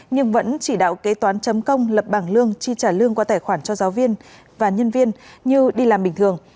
nhưng vẫn chỉ đạo kế toán chấm công lập bảng lương chi trả lương qua tài khoản cho giáo viên và nhân viên như đi làm bình thường